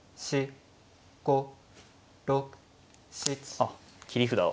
あっ切り札を。